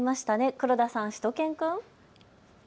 黒田さん、しゅと犬くん。